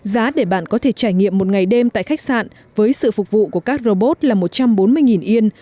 giá để bạn có thể trải nghiệm một ngày đêm tại khách sạn với sự phục vụ của các robot là một trăm bốn mươi yên